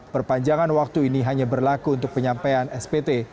perpanjangan waktu ini hanya berlaku untuk penyampaian spt